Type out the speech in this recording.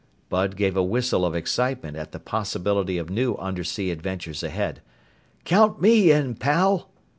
Bud gave a whistle of excitement at the possibility of new undersea adventures ahead. "Count me in, pal!"